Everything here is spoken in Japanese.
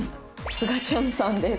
「すがちゃんさんです」